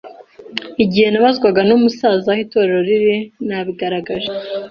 Igihe nabazwaga numusaza aho itorero riri, nabigaragaje.